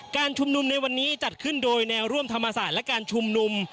การชุมนุมในวันนี้จัดขึ้นโดยแนวร่วมธรรมศาสตร์และการชุมนุม